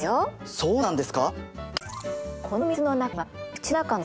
そうなんです。